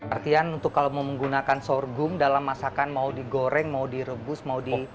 artian untuk kalau mau menggunakan sorghum dalam masakan mau digoreng mau direbus mau di